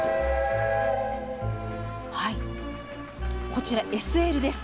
こちらＳＬです。